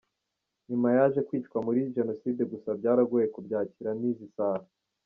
Nyuma yaje kwicwa muri Jenoside gusa byarangoye kubyakira n’izi saha.